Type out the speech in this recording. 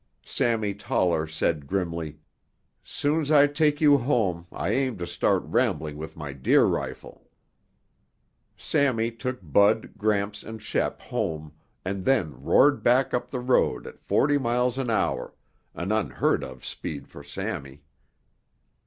Sammy Toller said grimly, "Soon's I take you home, I aim to start rambling with my deer rifle." Sammy took Bud, Gramps and Shep home and then roared back up the road at forty miles an hour, an unheard of speed for Sammy.